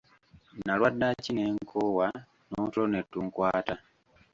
Nalwa ddaaki ne nkoowa; n'otulo ne tunkwata.